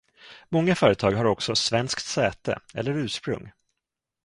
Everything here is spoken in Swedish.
Många företag har också svenskt säte eller ursprung.